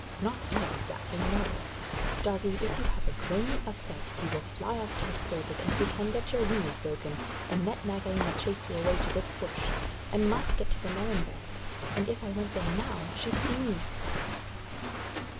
'Not eat exactly; no. Darzee, if you have a grain of sense you will fly off to the stables and pretend that your wing is broken, and let Nagaina chase you away to this bush! I must get to the melon bed, and if I went there now she'd see me.'